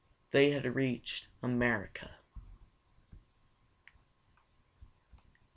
They had reached America.